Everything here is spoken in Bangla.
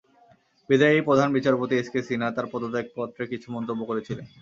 বিদায়ী প্রধান বিচারপতি এস কে সিনহা তাঁর পদত্যাগপত্রে কিছু মন্তব্য করেছিলেন।